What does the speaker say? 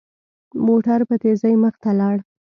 موټر په تېزۍ مخ ته لاړ.